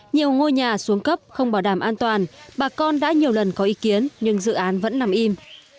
nhiều ngôi nhà xuống cấp không bảo đảm an toàn bà con đã nhiều lần có ý kiến nhưng dự án vẫn nằm im